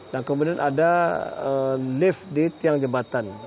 dan kemudian ada lift di tiang jembatan